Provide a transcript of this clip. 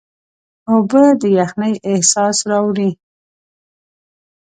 اوبه د یخنۍ احساس راوړي.